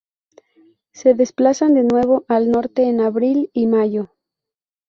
Se desplazan de nuevo al norte en abril y mayo.